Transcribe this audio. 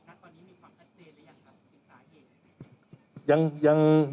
ณตอนนี้มีความชัดเจนรึยังครับสินค้าเย็น